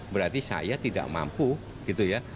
berarti saya tidak mampu gitu ya